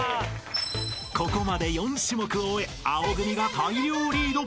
［ここまで４種目を終え青組が大量リード］